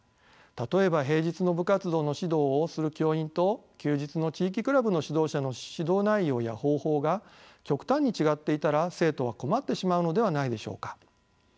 例えば平日の部活動の指導をする教員と休日の地域クラブの指導者の指導内容や方法が極端に違っていたら生徒は困ってしまうのではないでしょうか。